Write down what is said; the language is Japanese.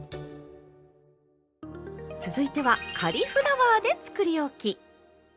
続いてはカリフラワーでつくりおき。